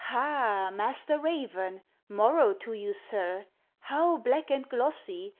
"Ha! Master Raven, 'morrow to you, sir; How black and glossy!